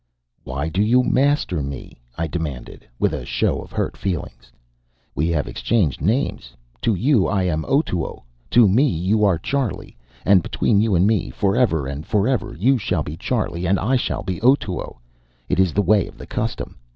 "Why do you 'master' me?" I demanded, with a show of hurt feelings. "We have exchanged names. To you I am Otoo. To me you are Charley. And between you and me, forever and forever, you shall be Charley, and I shall be Otoo. It is the way of the custom.